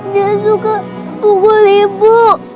dia suka pukul ibu